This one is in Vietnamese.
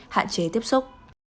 hạn chế tiếp xúc